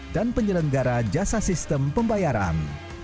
dan penyelenggara jasa sistem pembayaran